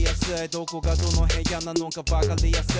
「どこがどの部屋なのかわかりやすい」